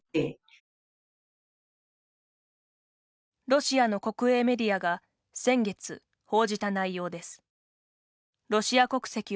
ロシアの国営メディアが先月、報じた内容です。